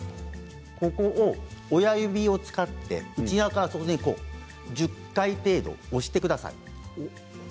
そこを親指を使って、内側から外側に１０回程度押してください。